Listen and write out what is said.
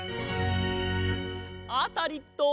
アタリット！